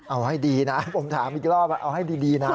เอาให้ดีนะผมถามอีกรอบเอาให้ดีนะ